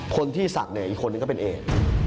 คนที่สักอีกคนนึงก็เป็นเอก